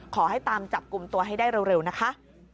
ขอให้ตามจับกลุ่มตัวให้ได้เร็วนะคะ